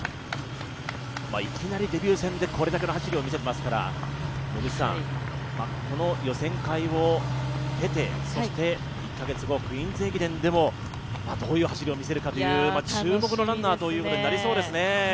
いきなりデビュー戦でこれだけの走りを見せていますからこの予選会を経て、１カ月後、「クイーンズ駅伝」でもどういう走りを見せるかという注目のランナーになりそうですね。